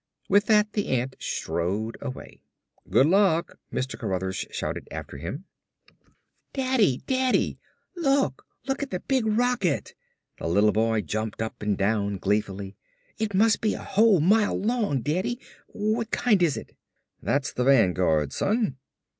With that the ant strode away. "Good luck!" Mr. Cruthers shouted after him. "Daddy! Daddy, look! Look at the big rocket!" The little boy jumped up and down gleefully. "It must be a whole mile long, Daddy! What kind is it?" "That's the Vanguard, son."